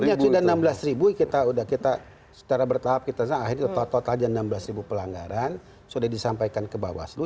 banyak sudah enam belas ribu kita sudah kita secara bertahap kita sendiri akhirnya total total saja enam belas ribu pelanggaran sudah disampaikan ke bawaslu